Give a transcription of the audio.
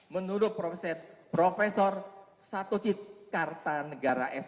menurut prof satocit kartanegara s